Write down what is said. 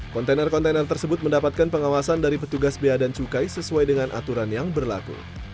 kontainer kontainer tersebut mendapatkan pengawasan dari petugas bea dan cukai sesuai dengan aturan yang berlaku